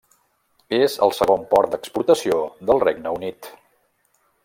És el segon port d'exportació del Regne Unit.